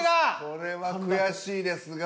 これは悔しいですが。